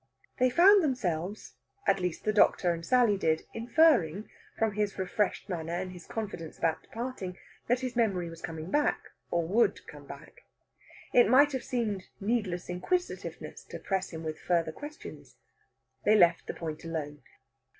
They found themselves at least, the doctor and Sally did inferring, from his refreshed manner and his confidence about departing, that his memory was coming back, or would come back. It might have seemed needless inquisitiveness to press him with further questions. They left the point alone.